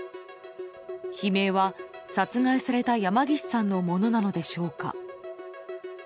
悲鳴は殺害された山岸さんのものなのでしょうか。